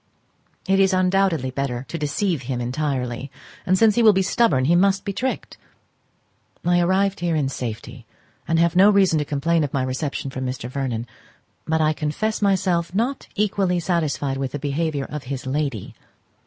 It is undoubtedly better to deceive him entirely, and since he will be stubborn he must be tricked. I arrived here in safety, and have no reason to complain of my reception from Mr. Vernon; but I confess myself not equally satisfied with the behaviour of his lady.